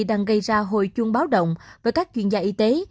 đang gây ra hồi chuông báo động với các chuyên gia y tế